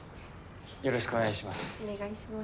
よろしくお願いします。